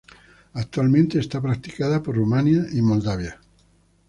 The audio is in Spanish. Actualmente es practicada por Rumanía y Moldavia.